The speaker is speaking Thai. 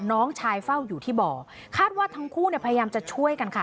น้องชายเฝ้าอยู่ที่บ่อคาดว่าทั้งคู่เนี่ยพยายามจะช่วยกันค่ะ